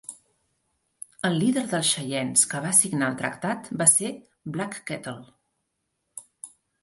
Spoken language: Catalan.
El líder dels xeienes que va signar el tractat va ser Black Kettle.